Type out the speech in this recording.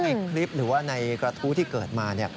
คือตอนแรกในคลิปหรือว่าในกระทู้ที่เกิดมา